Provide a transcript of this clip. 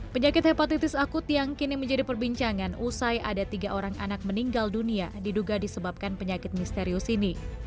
penyakit hepatitis akut yang kini menjadi perbincangan usai ada tiga orang anak meninggal dunia diduga disebabkan penyakit misterius ini